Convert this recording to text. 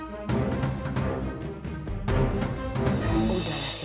kau tau apa tuh